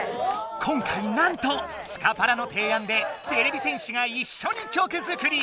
今回なんとスカパラのていあんでてれび戦士が一緒に曲作り！